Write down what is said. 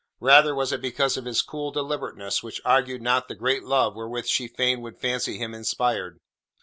Rather was it because of his cool deliberateness which argued not the great love wherewith she fain would fancy him inspired.